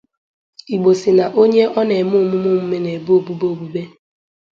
Igbo sị na onye ọ na-eme omume oume na-ebe obube obube